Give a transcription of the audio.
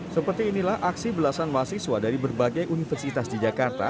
seperti inilah aksi belasan mahasiswa dari berbagai universitas di jakarta